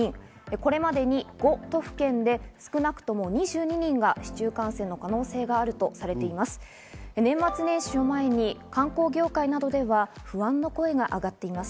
これまでに５都府県で少なくとも２２人が市中感染の可能性があるとされています。